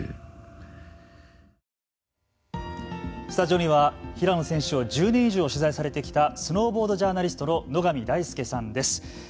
スタジオには平野選手を１０年以上取材されてきたスノーボードジャーナリストの野上大介さんです。